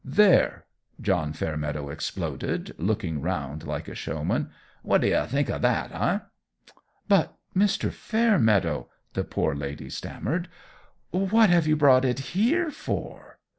"There!" John Fairmeadow exploded, looking round like a showman. "What d'ye think o' that? Eh?" "But, Mr. Fairmeadow," the poor lady stammered, "what have you brought it here for?"